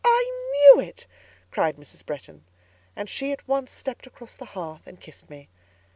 I knew it!" cried Mrs. Bretton. And she at once stepped across the hearth and kissed me.